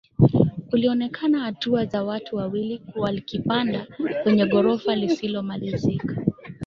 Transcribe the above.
Kulionekana hatua za watu wawili wakipanda kwenye gorofa lisilomalizika